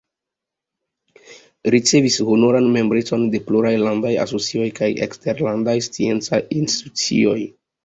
Ricevis honoran membrecon de pluraj landaj asocioj kaj de eksterlandaj sciencaj institucioj.